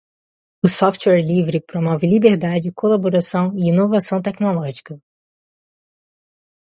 O software livre promove liberdade, colaboração e inovação tecnológica.